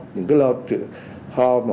những cái log